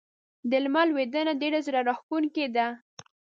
د لمر لوېدنه ډېره زړه راښکونکې ده.